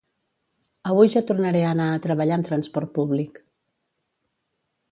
Avui ja tornaré a anar a treballar amb transport públic